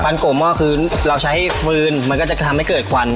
โกะหม้อคือเราใช้ฟืนมันก็จะทำให้เกิดควัน